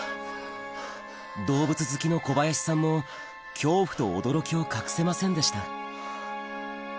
動物好きの小林さんも恐怖と驚きを隠せませんでした